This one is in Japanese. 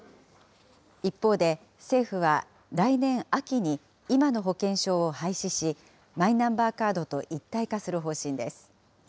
一方で、政府は来年秋に今の保険証を廃止し、マイナンバーカードと一体化する方針です。